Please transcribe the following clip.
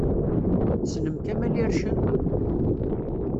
Tessnem Kamel Ircen?